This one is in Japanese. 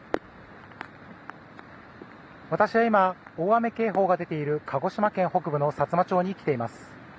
私は今、大雨警報が出ている鹿児島県北部のさつま町に来ています。